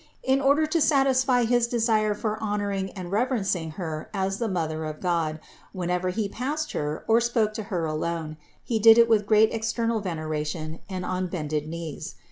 In order to satisfy his desire for honoring and reverencing Her as the Mother of God, whenever he passed Her or spoke to Her alone, he did it with great external venera tion and on bended knees.